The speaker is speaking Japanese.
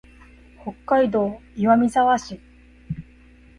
北海道岩見沢市